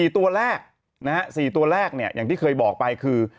๔ตัวแรกอย่างที่เคยบอกไปก็คือ